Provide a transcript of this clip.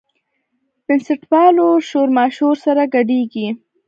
بنسټپالو شورماشور سره ګډېږي.